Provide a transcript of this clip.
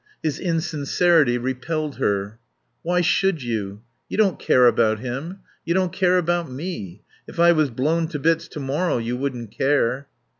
His insincerity repelled her. "Why should you? You don't care about him. You don't care about me. If I was blown to bits to morrow you wouldn't care."